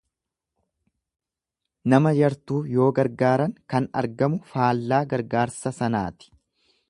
Nama yartuu yoo gargaaran kan argamu faallaa gargaarsa sanaati.